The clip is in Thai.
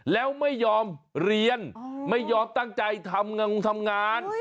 แล้วไม่ยอมเรียนไม่ยอมตั้งใจทำงงทำงาน